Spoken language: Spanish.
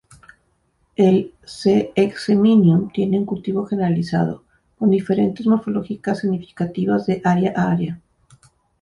El C.eximinum tiene un cultivo generalizado, con diferencias morfológicas significativas de área a área.